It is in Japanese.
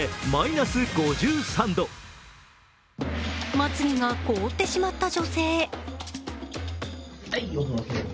まつ毛が凍ってしまった女性。